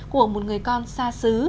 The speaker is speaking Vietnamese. của một người con xa xứ